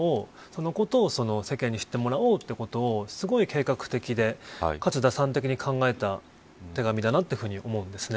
そのことを世間に知ってもらおうということをすごい計画的でかつ打算的に考えた手紙だと思うんです。